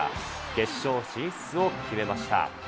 決勝進出を決めました。